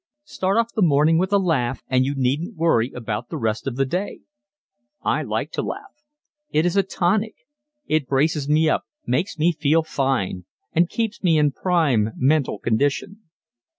Start off the morning with a laugh and you needn't worry about the rest of the day. I like to laugh. It is a tonic. It braces me up makes me feel fine! and keeps me in prime mental condition.